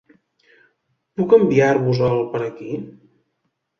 Puc enviar-vos-el per aquí?